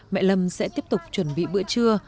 mẹ lâm sẽ tiếp tục chuẩn bị bữa trưa